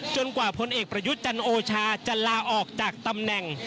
กว่าผลเอกประยุทธ์จันโอชาจะลาออกจากตำแหน่ง